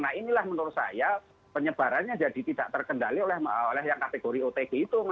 nah inilah menurut saya penyebarannya jadi tidak terkendali oleh yang kategori otg itu